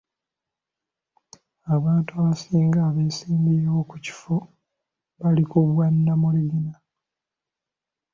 Abantu abasinga abeesimbyewo ku kifo bali ku bwa nnamunigina.